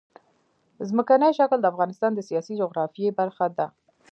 ځمکنی شکل د افغانستان د سیاسي جغرافیه برخه ده.